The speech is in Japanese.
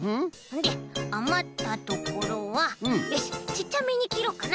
であまったところはよしちっちゃめにきろうかな。